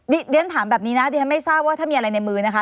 เรียนถามแบบนี้นะดิฉันไม่ทราบว่าถ้ามีอะไรในมือนะคะ